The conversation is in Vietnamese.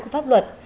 của pháp luật